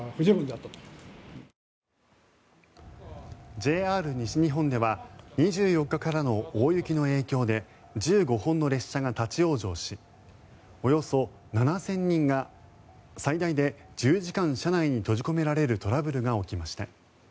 ＪＲ西日本では２４日からの大雪の影響で１５本の列車が立ち往生しおよそ７０００人が最大で１０時間車内に閉じ込められるトラブルが起きました。